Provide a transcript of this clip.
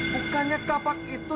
bukannya kakak itu